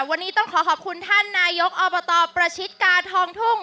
วันนี้ต้องขอขอบคุณท่านนายกอบตประชิดกาทองทุ่ง